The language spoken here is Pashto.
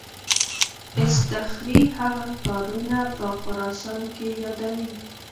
اصطخري هغه ښارونه په خراسان کې یادوي.